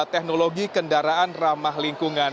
teknologi kendaraan ramah lingkungan